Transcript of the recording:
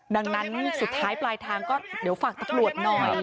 ดังนั้นสุดท้ายปลายทางก็เดี๋ยวฝากตำรวจหน่อย